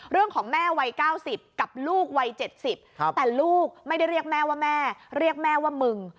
เรื่องของแม่วัย๙๐กับลูกวัย๗๐แต่ลูกไม่ได้เรียกแม่ว่าแม่เรียกแม่ว่ามึง